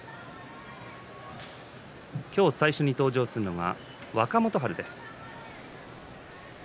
今日、最初に登場するのは若元春です。